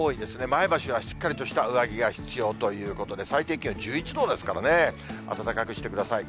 前橋はしっかりとした上着が必要ということで、最低気温１１度ですからね、暖かくしてください。